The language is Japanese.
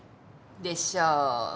でしょう？